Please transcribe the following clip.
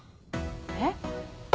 えっ？